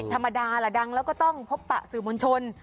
ธรรมดาล่ะดังแล้วก็ต้องพบปะสื่อมวลชน